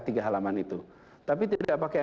tiga halaman itu tapi tidak pakai